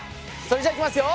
それじゃいきますよ。